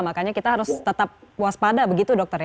makanya kita harus tetap waspada begitu dokter ya